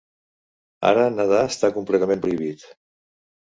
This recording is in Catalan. Ara nedar està completament prohibit.